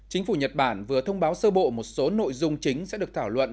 chính phủ nhật bản vừa thông báo sơ bộ một số nội dung chính sẽ được thảo luận